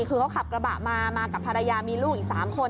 คือเขาขับกระบะมามากับภรรยามีลูกอีก๓คน